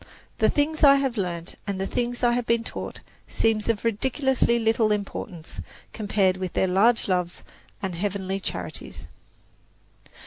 The things I have learned and the things I have been taught seem of ridiculously little importance compared with their "large loves and heavenly charities."